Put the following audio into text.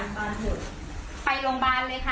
ไปโรงพยาบาลเลยค่ะ